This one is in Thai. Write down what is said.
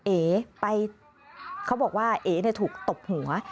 เอ๋ไปเขาบอกว่าเอ๋ถูกตบหัว